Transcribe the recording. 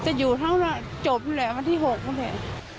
จะอยู่เท่านั้นจบแหละวันที่๖นี่